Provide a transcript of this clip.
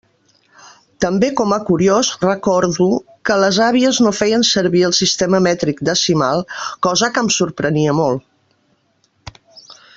També com a curiós recordo que les àvies no feien servir el sistema mètric decimal, cosa que em sorprenia molt.